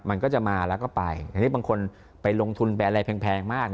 มันก็จะมาแล้วก็ไปทีนี้บางคนไปลงทุนไปอะไรแพงมาก